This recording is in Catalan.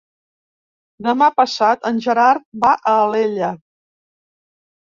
Demà passat en Gerard va a Alella.